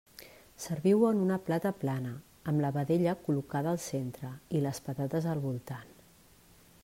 Serviu-ho en una plata plana, amb la vedella col·locada al centre i les patates al voltant.